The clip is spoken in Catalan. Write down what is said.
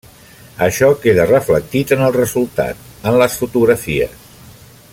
Això queda reflectit en el resultat, en les fotografies.